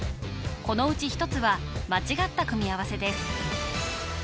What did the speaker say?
このうち１つは間違った組み合わせです